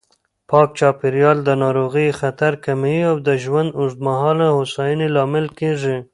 پاک چاپېریال د ناروغیو خطر کموي او د ژوند اوږدمهاله هوساینې لامل کېږي.